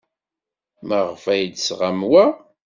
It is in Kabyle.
Maɣef ay d-tesɣam wa?